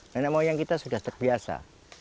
dan yang kita sudah terbiasa